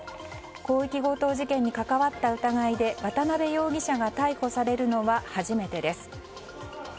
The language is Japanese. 広域強盗事件に関わった疑いで渡辺容疑者が逮捕されるのは初めてです。